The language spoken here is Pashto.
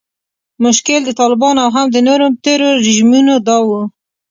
مشکل د طالبانو او هم د نورو تیرو رژیمونو دا و